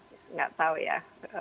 tidak tahu ya